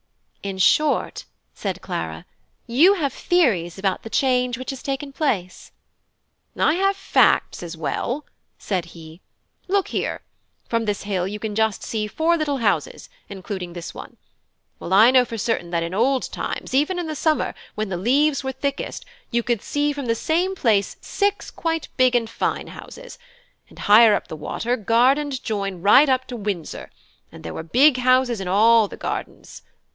"In short," said Clara, "you have theories about the change which has taken place." "I have facts as well," said he. "Look here! from this hill you can see just four little houses, including this one. Well, I know for certain that in old times, even in the summer, when the leaves were thickest, you could see from the same place six quite big and fine houses; and higher up the water, garden joined garden right up to Windsor; and there were big houses in all the gardens.